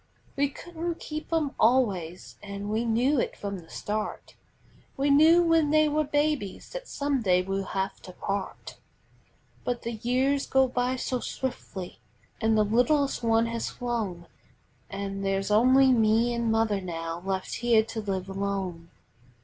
We couldn't keep 'em always an' we knew it from the start; We knew when they were babies that some day we'd have to part. But the years go by so swiftly, an' the littlest one has flown, An' there's only me an' mother now left here to live alone.